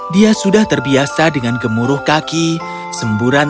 dia sudah terbiasa dengan gemuruh kaki semburan